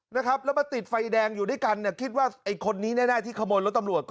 นะครับแล้วมาติดไฟแดงอยู่ด้วยกันเนี่ยคิดว่าไอ้คนนี้แน่ที่ขโมยรถตำรวจ